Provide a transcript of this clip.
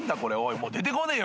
もう出てこねえよ